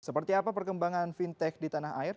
seperti apa perkembangan fintech di tanah air